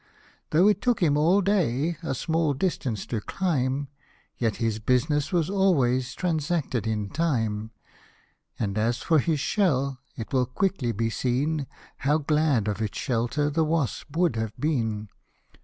Though it took him all day a small distance to climb. Yet his business was always transacted in time ; And, as for his shell, it will quickly be seen How glad of its shelter the wasp would have been.